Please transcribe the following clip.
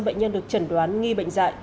bệnh nhân được chẩn đoán nghi bệnh dại